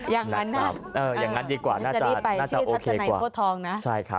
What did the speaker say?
อย่างนั้นอย่างนั้นดีกว่าน่าจะโอเคกว่า